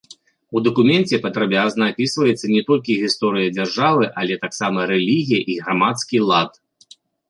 У дакуменце падрабязна апісваецца не толькі гісторыя дзяржавы, але таксама рэлігія і грамадскі лад.